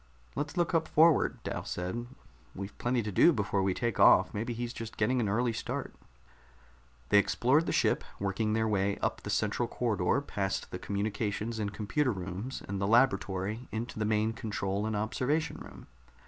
"Let's look up forward," Dal said. "We've plenty to do before we take off. Maybe he's just getting an early start." They explored the ship, working their way up the central corridor past the communications and computer rooms and the laboratory into the main control and observation room.